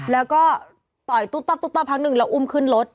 แล้วก็ต่อยตุ๊บตับพักหนึ่งแล้วอุ้มขึ้นรถ